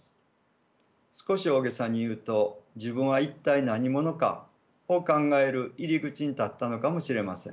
少し大げさに言うと自分は一体何者かを考える入り口に立ったのかもしれません。